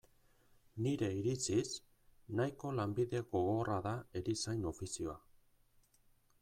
Nire iritziz, nahiko lanbide gogorra da erizain ofizioa.